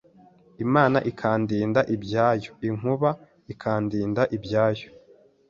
Imana ikandinda ibyayo, inkuba ikandinda ibyayo